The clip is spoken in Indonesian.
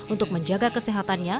untuk menjaga kesehatannya